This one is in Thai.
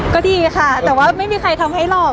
ก็ดีค่ะแต่ว่าไม่มีใครทำให้หรอก